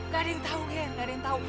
gak ada yang tahu kan gak ada yang tahu